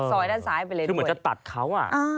ด้านซ้ายไปเลยนะคือเหมือนจะตัดเขาอ่ะ